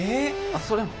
あっそれも。